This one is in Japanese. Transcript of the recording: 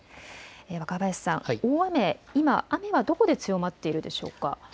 若林さん、大雨、今、雨はどこで強まっているでしょうか。